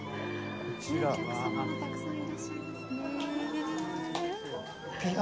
お客様がたくさんいらっしゃいますね。